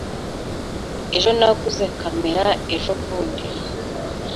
Ejo naguze kamera ejobundi.